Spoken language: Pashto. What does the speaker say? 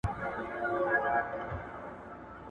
لا مي پلونه د اغیارو تر جانان ولي راځي